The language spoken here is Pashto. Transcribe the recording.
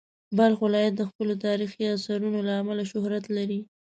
بلخ ولایت د خپلو تاریخي ارثونو له امله شهرت لري.